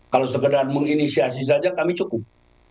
kalau sekedar menginisiasi saja kami cukup